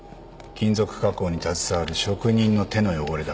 金属加工に携わる職人の手の汚れだ。